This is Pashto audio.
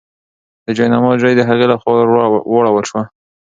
د جاینماز ژۍ د هغې لخوا ورواړول شوه.